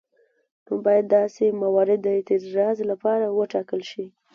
نو باید داسې موارد د اعتراض لپاره وټاکل شي.